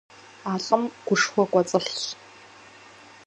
А лӀым гушхуэ кӀуэцӀылъщ.